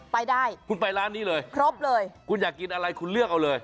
ไปได้คุณไปร้านนี้เลยครบเลยคุณอยากกินอะไรคุณเลือกเอาเลย